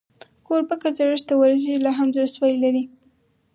کوربه که زړښت ته ورسېږي، لا هم زړهسوی لري.